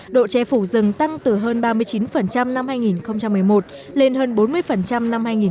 độ che phủ rừng tăng từ hơn ba mươi chín năm hai nghìn một mươi một lên hơn bốn mươi năm hai nghìn một mươi